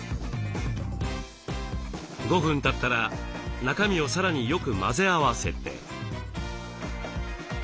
５分たったら中身をさらによく混ぜ合わせて。